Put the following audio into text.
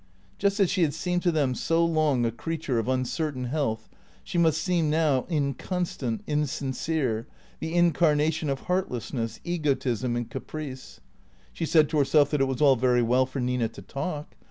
Just as she had seemed to them so long a creature of uncertain health, she must seem now inconstant, in sincere, the incarnation of heartlessness, egotism and caprice. She said to herself that it was all very well for Nina to talk.